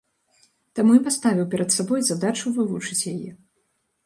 Таму і паставіў перад сабой задачу вывучыць яе.